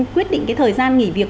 quyết định cái thời gian nghỉ việc